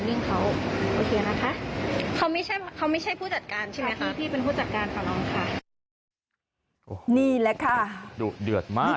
ดือดดือดมาก